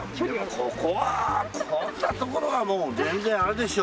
ここはこんな所はもう全然あるでしょ。